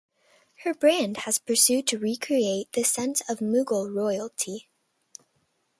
Her brand has pursued to recreate the sense of Mughal royalty.